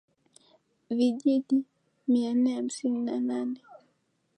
Vijiji mia nne hamsini na nane